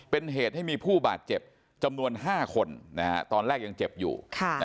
เป็นเหตุให้มีผู้บาดเจ็บจำนวน๕คนตอนแรกยังเจ็บอยู่